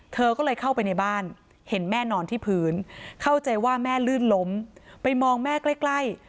เธอก็เลยเข้าไปในบ้านเห็นแม่นอนที่พื้นเข้าใจว่าแม่ลื่นล้มไปมองแม่ใกล้